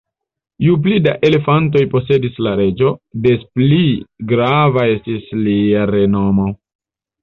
Ju pli da elefantoj posedis la reĝo, des pli granda estis lia renomo.